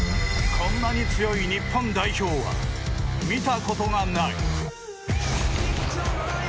こんなに強い日本代表は見たことがない。